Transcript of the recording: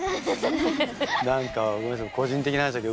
何かごめんなさい